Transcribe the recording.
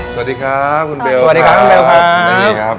สวัสดีครับคุณเบลครับสวัสดีครับคุณเบลครับ